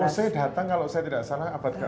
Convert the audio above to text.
selesai datang kalau saya tidak salah abad ke enam